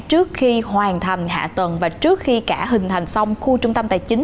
trước khi hoàn thành hạ tầng và trước khi cả hình thành xong khu trung tâm tài chính